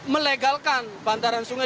melegalkan bantaran sungai